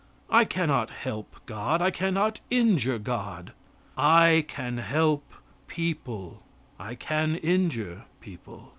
I cannot help God; I cannot injure God. I can help people; I can injure people.